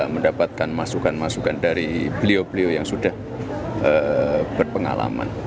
mendapatkan masukan masukan dari beliau beliau yang sudah berpengalaman